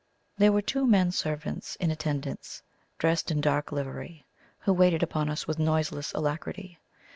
There were two men servants in attendance, dressed in dark livery, who waited upon us with noiseless alacrity.